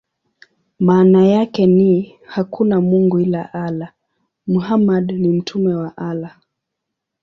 Maana yake ni: "Hakuna mungu ila Allah; Muhammad ni mtume wa Allah".